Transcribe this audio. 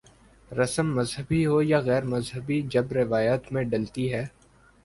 رسم مذہبی ہو یا غیر مذہبی جب روایت میں ڈھلتی ہے۔